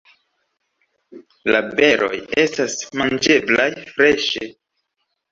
La beroj estas manĝeblaj freŝe.